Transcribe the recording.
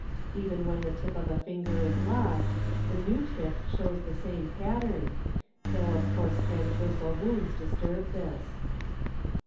ven when the tip of a finger is lost, the new tip show the same pattern, though of course transversal wounds disturb this.